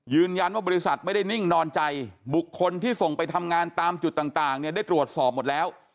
บริษัทไม่ได้นิ่งนอนใจบุคคลที่ส่งไปทำงานตามจุดต่างเนี่ยได้ตรวจสอบหมดแล้ว